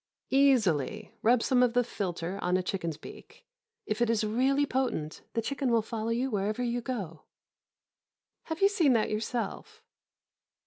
"Easily. Rub some of the philtre on a chicken's beak; if it is really potent, the chicken will follow you wherever you go!" "Have you seen that yourself?"